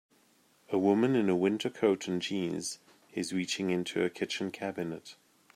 A woman in a winter coat and jeans is reaching into a kitchen cabinet.